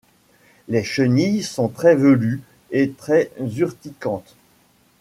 Les chenilles sont très velues et très urticantes.